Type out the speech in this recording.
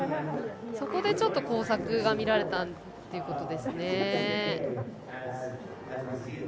そこでちょっと交錯が見られたということですね。